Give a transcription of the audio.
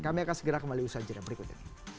kami akan segera kembali usaha jurnal berikutnya